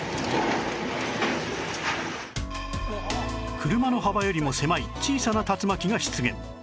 車の幅よりも狭い小さな竜巻が出現